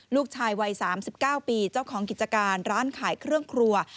ลูกชายวัย๓๙ปีเจ้าของกิจการร้านขายเครื่องครัว